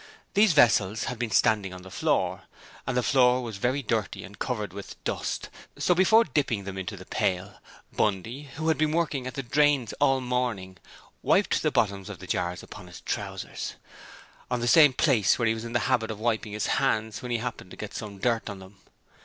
These vessels had been standing on the floor, and the floor was very dirty and covered with dust, so before dipping them into the pail, Bundy who had been working at the drains all morning wiped the bottoms of the jars upon his trousers, on the same place where he was in the habit of wiping his hands when he happened to get some dirt on them.